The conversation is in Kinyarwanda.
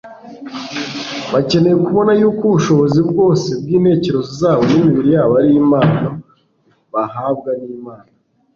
bakeneye kubona yuko ubushobozi bwose bw'intekerezo zabo n'imibiri yabo ari impano bahabwa n'imana